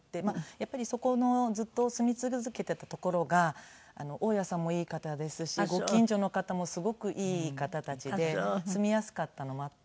やっぱりそこのずっと住み続けていた所が大家さんもいい方ですしご近所の方もすごくいい方たちで住みやすかったのもあって。